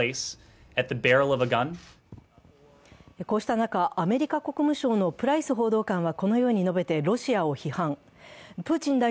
こうした中、アメリカ国務省のプライス報道官はこのように述べてロシアを批判。